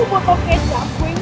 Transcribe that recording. lo suka banget pake baju ini